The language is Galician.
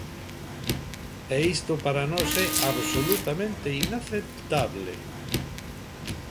E isto para nós é absolutamente inaceptable.